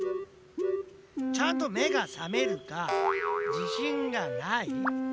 ちゃんと目が覚めるかじしんがない？